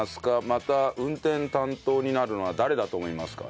また運転担当になるのは誰だと思いますか？